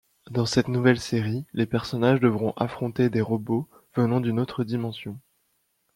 Dans cette nouvelle série les personnages devront affronter des robots venant d'une autre dimension.